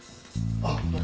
あっ。